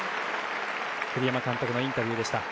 栗山監督のインタビューでした。